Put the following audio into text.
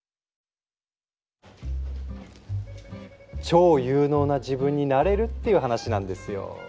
超有能な自分になれるっていう話なんですよ。